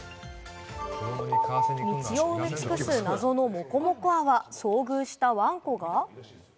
道を埋め尽くす謎のもこもこ泡、遭遇したワンコが。